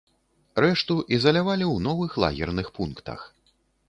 Рэшту ізалявалі ў новых лагерных пунктах.